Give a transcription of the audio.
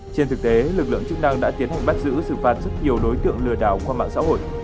trên thực tế lực lượng chức năng đã tiến hành bắt giữ xử phạt rất nhiều đối tượng lừa đảo qua mạng xã hội